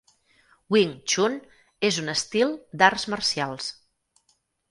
Wing Chun és un estil d'arts marcials.